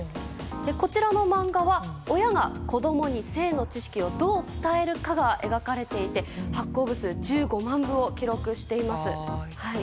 こちらの漫画は親が子供に性の知識をどう伝えるかが描かれていて発行部数１５万部を記録しています。